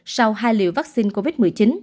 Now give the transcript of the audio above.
sau hai liều vaccine covid một mươi chín